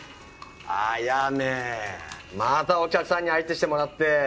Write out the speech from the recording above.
あやめまたお客さんに相手してもらって。